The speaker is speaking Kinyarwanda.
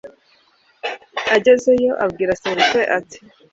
Agezeyo abwira sebukwe, ati: “